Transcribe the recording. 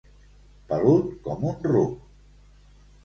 Pelut com un ruc.